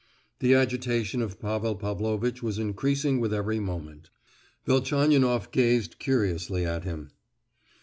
The agitation of Pavel Pavlovitch was increasing with every moment. Velchaninoff gazed curiously at him.